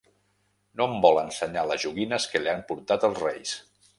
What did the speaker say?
No em vol ensenyar les joguines que li han portat els Reis.